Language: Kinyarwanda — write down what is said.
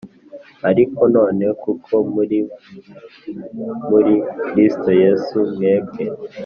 Ariko none kuko muri muri Kristo Yesu mwebwe